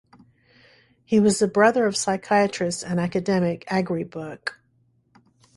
He was the brother of psychiatrist and academic Aggrey Burke.